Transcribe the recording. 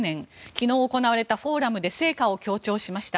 昨日行われたフォーラムで成果を強調しました。